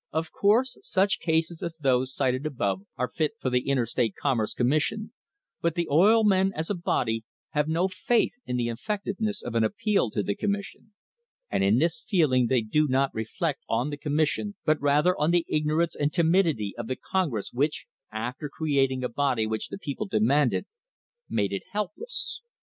Of course such cases as those cited above are fit for the Interstate Commerce Commission, but the oil men as a body have no faith in the effectiveness of an appeal to the Commis sion, and in this feeling they do not reflect on the Commission, but rather on the ignorance and timidity of the Congress which, after creating a body which the people demanded, made it helpless.